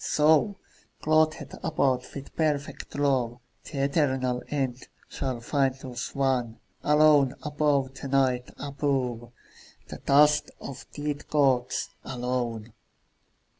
So, clothed about with perfect love, The eternal end shall find us one, Alone above the Night, above The dust of the dead gods, alone.